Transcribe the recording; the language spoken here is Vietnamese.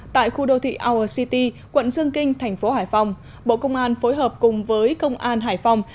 tại khu đô thị our city quận dương kinh thành phố hải phòng bộ công an phối hợp cùng với công an hải phòng